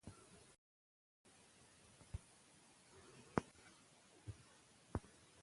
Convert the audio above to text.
که نجونې زده کړه وکړي، نو ټولنه د اعتماد فضا لري.